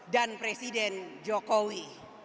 dan presiden jokowi